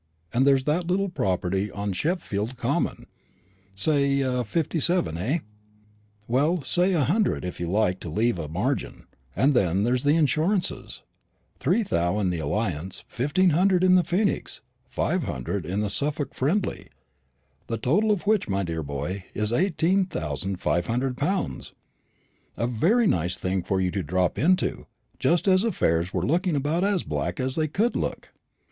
Then there's that little property on Sheepfield Common say seven fifty, eh? well, say seven hundred, if you like to leave a margin; and then there are the insurances three thou' in the Alliance, fifteen hundred in the Phoenix, five hundred in the Suffolk Friendly; the total of which, my dear boy, is eighteen thousand five hundred pounds; and a very nice thing for you to drop into, just as affairs were looking about as black as they could look."